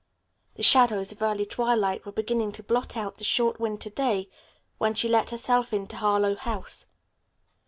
The shadows of early twilight were beginning to blot out the short winter day when she let herself into Harlowe House.